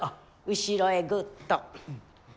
後ろへぐっと。